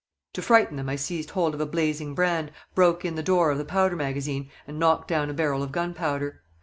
[To frighten them] I seized hold of a blazing brand, broke in the door of the powder magazine, and knocked down a barrel of gunpowder.